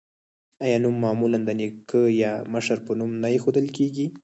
آیا نوم معمولا د نیکه یا مشر په نوم نه ایښودل کیږي؟